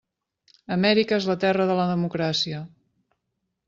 Amèrica és la terra de la democràcia.